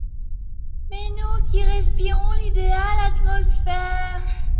Mais nous qui respirons l'idéale atmosphère